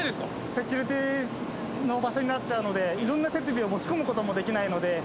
セキュリティーの場所になっちゃうのでいろんな設備を持ち込む事もできないので。